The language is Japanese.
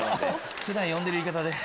普段呼んでる言い方で。